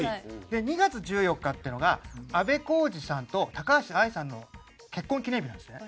２月１４日ってのがあべこうじさんと高橋愛さんの結婚記念日なんです。